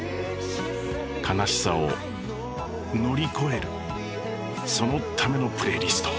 悲しさを乗り越えるそのためのプレイリスト。